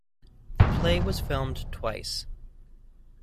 The play was filmed twice.